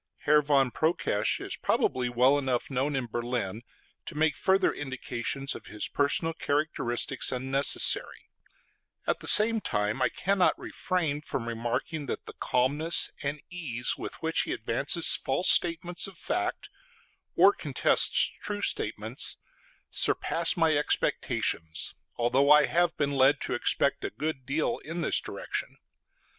Herr von Prokesch is probably well enough known in Berlin to make further indications of his personal characteristics unnecessary; at the same time, I cannot refrain from remarking that the calmness and ease with which he advances false statements of fact, or contests true statements, surpass my expectations, although I have been led to expect a good deal in this direction.